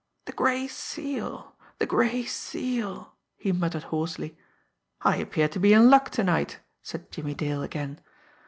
"The Gray Seal! The Gray Seal!" he muttered hoarsely. "I appear to be in luck to night!" said Jimmie Dale again.